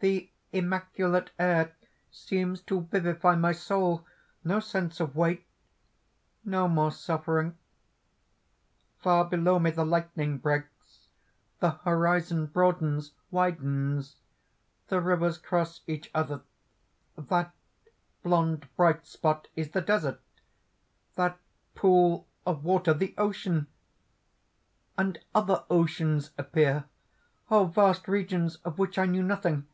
The immaculate air seems to vivify my soul. No sense of weight! no more suffering. "Far below me the lightning breaks, the horizon broadens, widens, the rivers cross each other. That blond bright spot is the desert; that pool of water the ocean! "And other oceans appear! vast regions of which I knew nothing!